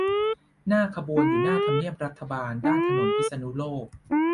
หน้าขบวนอยู่หน้าทำเนียบรัฐบาล ด้านถนนพิษณุโลก